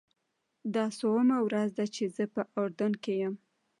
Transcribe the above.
دا څوومه ورځ ده چې زه په اردن کې یم.